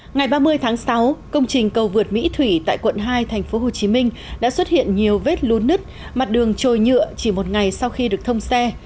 ngày ba mươi tháng sáu công trình cầu vượt mỹ thủy tại quận hai tp hcm đã xuất hiện nhiều vết lún nứt mặt đường trồi nhựa chỉ một ngày sau khi được thông xe